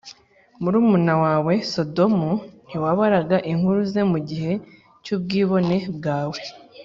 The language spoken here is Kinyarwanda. Murumuna wawe Sodomu ntiwabaraga inkuru ze mu gihe cy’ubwibone bwawe